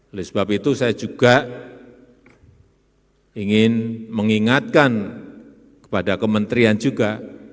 oleh sebab itu saya juga ingin mengingatkan kepada kementerian juga